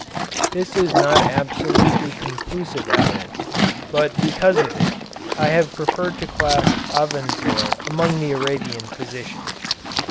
This is not absolutely conclusive evidence, but because of it I have preferred to class Avenzoar among the Arabian physicians.